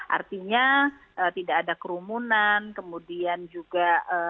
artinya tidak ada kerumunan kemudian juga